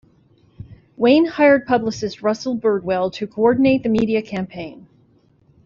Wayne hired publicist Russell Birdwell to coordinate the media campaign.